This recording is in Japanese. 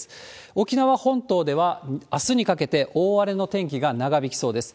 沖縄本島では、あすにかけて大荒れの天気が長引きそうです。